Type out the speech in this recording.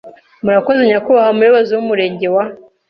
Murakoze! Nyakuahwa Muyoozi w’Umurenge wa